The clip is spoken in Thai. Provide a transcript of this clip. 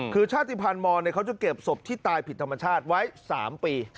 คือชาติภัณฑ์มอนเขาจะเก็บศพที่ตายผิดธรรมชาติไว้๓ปี